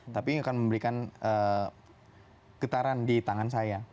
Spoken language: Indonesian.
tapi akan memberikan getaran di tangan saya